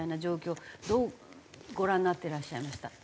どうご覧になってらっしゃいました？